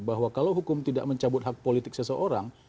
bahwa kalau hukum tidak mencabut hak politik seseorang